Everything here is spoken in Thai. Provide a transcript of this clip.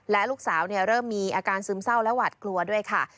และลูกสาวเริ่มมีอาการซึมเศร้าและหวัดกลัวด้วยค่ะ